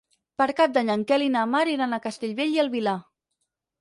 Per Cap d'Any en Quel i na Mar iran a Castellbell i el Vilar.